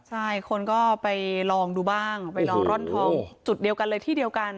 ใช่คนก็ไปลองดูบ้างไปลองร่อนทองจุดเดียวกันเลยที่เดียวกัน